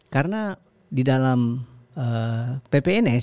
karena di dalam ppns